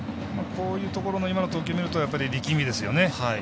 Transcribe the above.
こういうところの今の投球見ると力みですね。